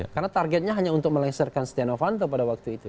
karena targetnya hanya untuk melesarkan setia novanto pada waktu itu